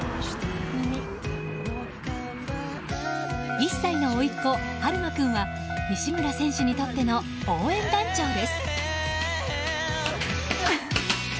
１歳のおいっ子・悠真君は西村選手にとっての応援団長です。